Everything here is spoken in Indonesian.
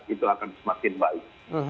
itu akan semakin baik